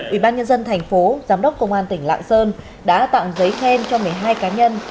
ubnd tp giám đốc công an tỉnh lạng sơn đã tặng giấy khen cho một mươi hai cá nhân